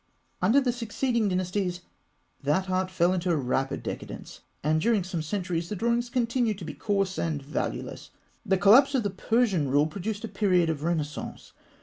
Under the succeeding dynasties, that art fell into rapid decadence, and during some centuries the drawings continue to be coarse and valueless. The collapse of the Persian rule produced a period of Renaissance.